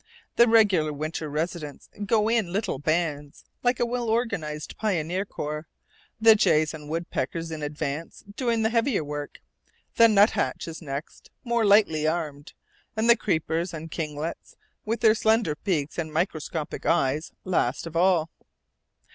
The regular winter residents go in little bands, like a well organized pioneer corps, the jays and woodpeckers in advance, doing the heavier work; the nuthatches next, more lightly armed; and the creepers and kinglets, with their slender beaks and microscopic eyes, last of all.